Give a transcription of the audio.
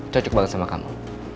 cocok banget sama kamu